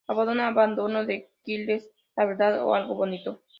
Abona adaptado de "Quieres la Verdad o Algo Bonito?